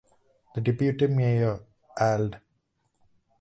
The Deputy Mayor, Ald.